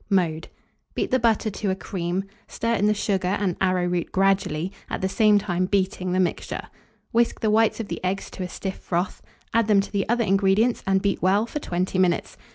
Mode. Beat the butter to a cream; stir in the sugar and arrowroot gradually, at the same time beating the mixture. Whisk the whites of the eggs to a stiff froth, add them to the other ingredients, and beat well for 20 minutes.